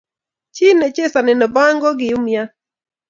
Chi nechesani niboaeng kokiumian.